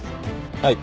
はい。